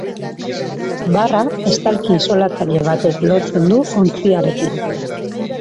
Barra estalki isolatzaile batek lotzen du ontziarekin.